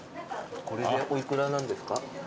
これでお幾らなんですか？